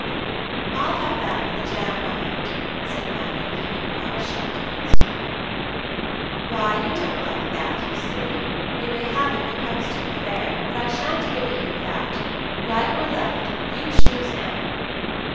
"I'll have that with the jam run out," said Maggie, keeping her eyes shut to please Tom. "Why, you don't like that, you silly. You may have it if it comes to you fair, but I sha'n't give it you without. Right or left,—you choose, now.